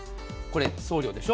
あと、送料でしょ。